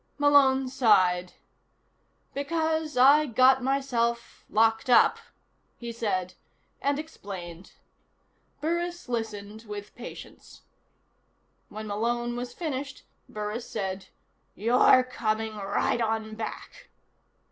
Malone sighed. "Because I got myself locked up," he said, and explained. Burris listened with patience. When Malone was finished, Burris said: "You're coming right on back."